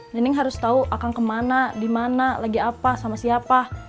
neneng harus tahu akan kemana di mana lagi apa sama siapa